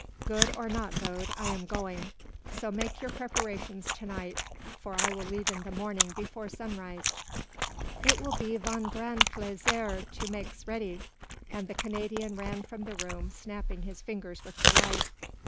"Good or not, Gode, I am going. So make your preparations to night, for I will leave in the morning before sunrise." "It will be von grand plaisir to makes ready." And the Canadian ran from the room, snapping his fingers with delight.